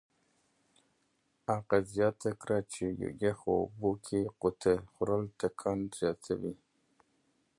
هغه زیاته کړه چې یخو اوبو کې غوطه خوړل ټکان زیاتوي.